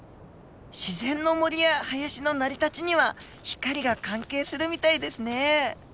自然の森や林の成り立ちには光が関係するみたいですね。